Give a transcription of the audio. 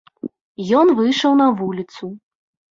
Ён выйшаў на вуліцу.